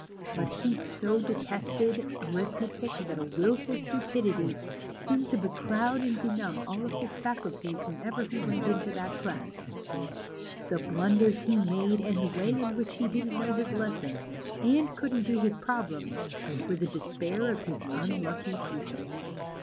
But he so detested arithmetic that a wilful stupidity seemed to becloud and 53 54 THE CHILDREN'S WONDER BOOK. benumb all his faculties whenever he went into that class. The blunders lie made, and the way in which he didn't know his lesson, and couldn't do his problems, were the despair of his unlucky teacher.